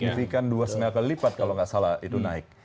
signifikan dua sengal kelipat kalau nggak salah itu naik